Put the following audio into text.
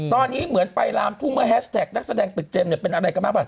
ตอนนี้เหมือนไฟลามทุ่งเมื่อแฮชแท็กนักแสดงตึกเจมส์เนี่ยเป็นอะไรกันบ้างป่